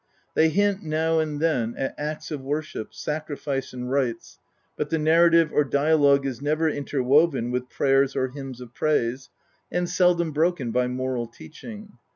They hint now and then at acts of worship, sacrifice and rites, but the narrative or dialogue is never interwoven with prayers or hymns of praise, and seldom broken by moral teaching.